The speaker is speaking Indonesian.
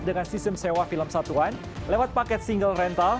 dengan sistem sewa film satuan lewat paket single rental